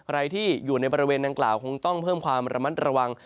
ใครที่อยู่ในบริเวณดังกล่าวคงต้องเพิ่มความระมัดระวัง